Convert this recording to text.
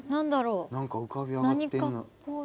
何か浮かび上がって。